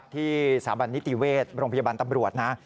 ที่สาบันนิติเวทย์โรงพยาบาลตำรวจนะ